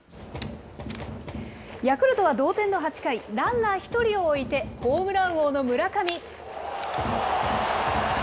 ヤクルトは同点の８回、ランナー１人を置いて、ホームラン王の村上。